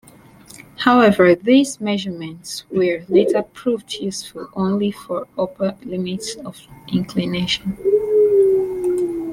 However these measurements were later proved useful only for upper limits of inclination.